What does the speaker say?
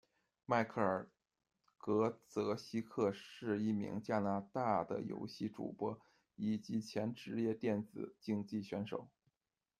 迈克尔·格泽希克是一名加拿大的游戏主播以及前职业电子竞技选手。